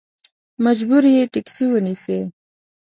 مجبور یې ټیکسي ونیسې.